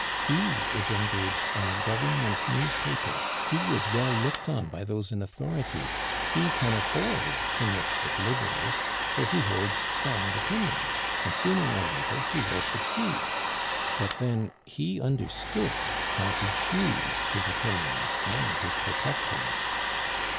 He is engaged on a Government newspaper; he is well looked on by those in authority; he can afford to mix with Liberals, for he holds sound opinions; and soon or later he will succeed. But then he understood how to choose his opinions and his protectors.